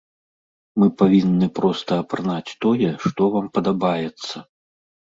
Вы павінны проста апранаць тое, што вам падабаецца.